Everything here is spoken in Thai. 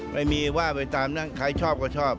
ไม่มีว่าไปตามนั้นใครชอบก็ชอบ